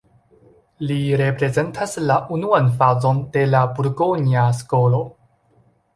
Li reprezentas la unuan fazon de la burgonja skolo.